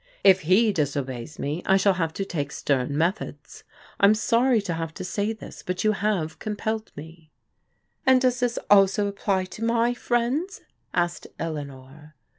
If he disobeys me, I shall have to take stem methods. I'm sorry to have to say this; but you have compelled me." "And does this also apply to my friends?" asked Eleanor.